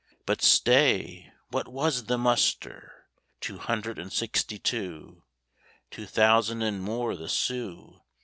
But stay, what was the muster? Two hundred and sixty two (Two thousand and more the Sioux!)